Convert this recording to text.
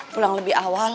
pulang lebih awal